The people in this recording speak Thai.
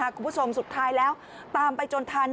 คุณผู้ชมสุดท้ายแล้วตามไปจนทัน